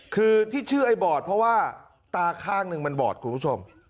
คือที่ชื่อไอ้บอดเพราะว่าตาข้างหนึ่งมันบอดคุณผู้ชม